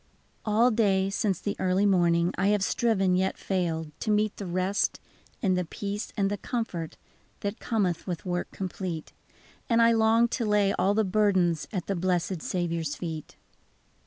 , All day, since the early morning, I have striven, yet failed to meet The rest, and the peace, and the comfort, That cometh with work complete, And I longed to lay all the burdens At the blessed Saviour's feet.